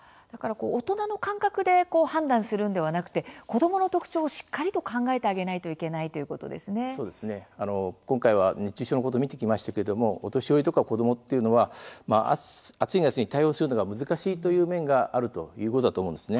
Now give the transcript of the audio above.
大人の感覚で判断するのではなくて子どもの特徴をしっかりと考えてあげないと今回は熱中症のことを見てきましたがお年寄りとか子どもは暑い夏に対応するのが難しいという面があるということだと思います。